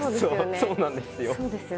そうなんですよ。